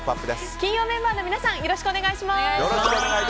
金曜メンバーの皆さんよろしくお願いします。